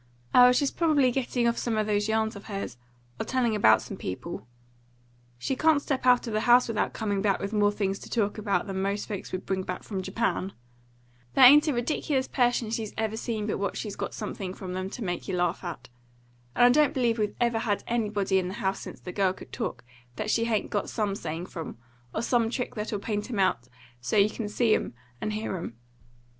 "Oh, she's probably getting off some of those yarns of hers, or telling about some people. She can't step out of the house without coming back with more things to talk about than most folks would bring back from Japan. There ain't a ridiculous person she's ever seen but what she's got something from them to make you laugh at; and I don't believe we've ever had anybody in the house since the girl could talk that she hain't got some saying from, or some trick that'll paint 'em out so't you can see 'em and hear 'em.